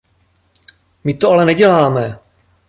My to ale neděláme!